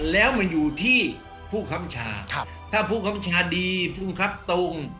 แล้วมันอยู่ที่ผู้ค้ำชาถ้าผู้คำชาดีภูมิครับตรง